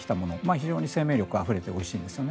非常に生命力にあふれておいしいんですね。